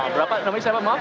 berapa namanya siapa maaf